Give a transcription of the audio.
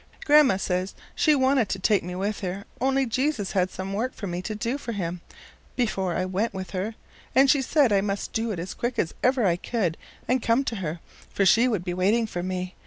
Grandma says she wanted to take me with her, only Jesus had some work for me to do for him before I went with her, and she said I must do it as quick as ever I could and come to her, for she would be waiting for me.